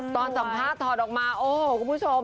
ตอนสัมภาษณ์ถอดออกมาโอ้โหคุณผู้ชม